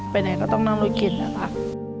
ไปไหนก็ต้องนั่งโรงกิจนะครับ